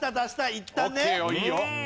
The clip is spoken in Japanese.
いったんね。